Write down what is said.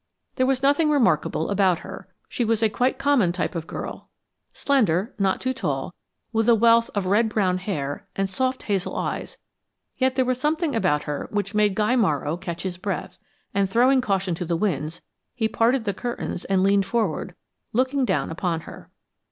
There was nothing remarkable about her; she was quite a common type of girl: slender, not too tall, with a wealth of red brown hair and soft hazel eyes; yet there was something about her which made Guy Morrow catch his breath; and throwing caution to the winds, he parted the curtains and leaned forward, looking down upon her.